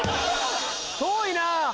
遠いな！